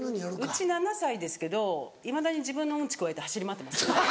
うち７歳ですけどいまだに自分のウンチくわえて走り回ってます。